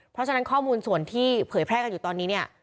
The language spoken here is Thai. เพราะฉะนั้นข้อมูลส่วนที่เผยแพร่กันอยู่ตอนนี้เนี่ย